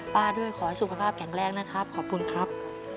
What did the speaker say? ด้วยขอให้สุขภาพแข็งแรงนะครับขอบคุณครับ